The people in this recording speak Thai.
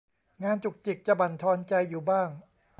งานจุกจิกจะบั่นทอนใจอยู่บ้าง